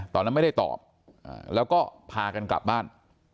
ตอนนั้นไม่ได้ตอบแล้วก็พากันกลับบ้าน